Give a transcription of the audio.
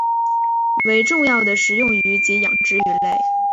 为重要的食用鱼及养殖鱼类。